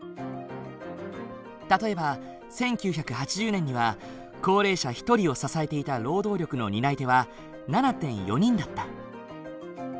例えば１９８０年には高齢者１人を支えていた労働力の担い手は７．４人だった。